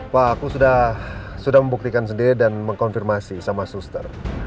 pak aku sudah membuktikan sendiri dan mengkonfirmasi sama suster